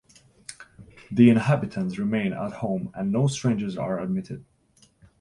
The inhabitants remain at home and no strangers are admitted.